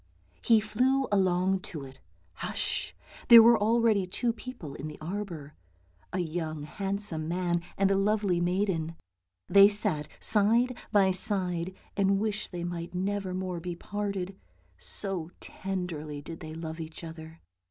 He flew along to it. Hush! There were already two people in the arbour, a young handsome man and a lovely maiden. They sat side by side and wished they might never more be parted, so tenderly did they love each other.